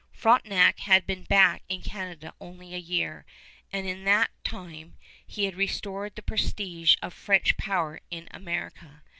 LOUIS, QUEBEC] Frontenac had been back in Canada only a year, and in that time he had restored the prestige of French power in America.